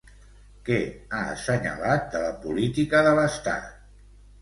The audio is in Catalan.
Què ha assenyalat de la política de l'Estat?